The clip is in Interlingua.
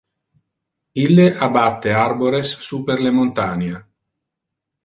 Ille abatte arbores super le montania.